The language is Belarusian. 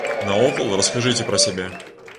Наогул, раскажыце пра сябе.